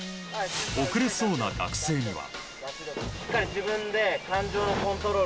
遅れそうな学生には。